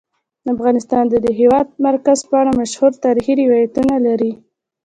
افغانستان د د هېواد مرکز په اړه مشهور تاریخی روایتونه لري.